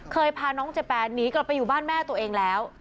พาน้องเจแปนหนีกลับไปอยู่บ้านแม่ตัวเองแล้ว